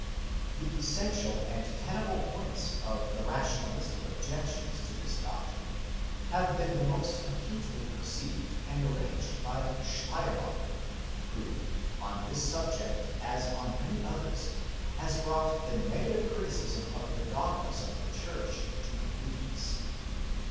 ® The essential and tenable points of the rationalistic objections to this doc trine, have been the most acutely perceived and arranged by Schleiermacher, who, on this subject as on many others, has brought the negative criticism of the dogmas of the Church to completeness.